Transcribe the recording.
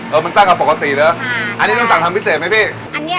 เออมันสั้นกับปกติเนี่ยอันนี้ต้องสั่งทำพิเศษมั้ยพี่